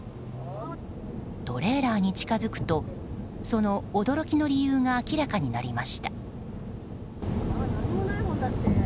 トレーラーに近づくとその驚きの理由が明らかになりました。